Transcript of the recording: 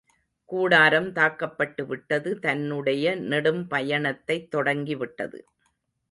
கூடாரம் தாக்கப்பட்டுவிட்டது, தன்னுடைய நெடும் பயணத்தைத் தொடங்கிவிட்டது.